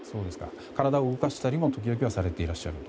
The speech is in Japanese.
体を動かしたりも時々はしてらっしゃると。